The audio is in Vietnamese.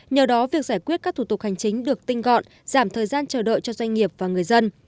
nhờ đó việc giải quyết các thủ tục hành chính được tinh gọn giảm thời gian chờ đợi cho doanh nghiệp và người dân